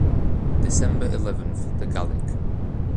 December eleventh, The Gallic.